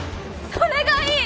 それがいい！